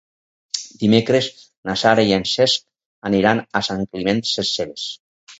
Dimecres na Sara i en Cesc aniran a Sant Climent Sescebes.